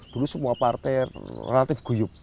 dulu semua partai relatif guyup